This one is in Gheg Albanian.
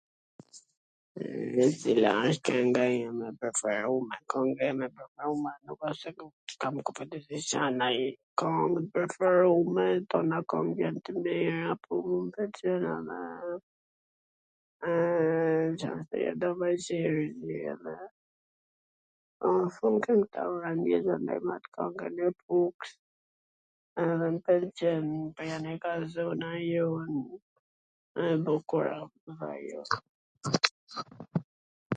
Cila wsht kwnga ime mw e preferume? Kwnga ime e preferume nuk wsht se kam kushedi Ca nanjw kong tw preferume, tana kangt jan t mira po un .... ka shum kwng ... me at kwngwn e Puks edhe m pwlqen prej andej nga zona jon, e bukur asht dhe ajo.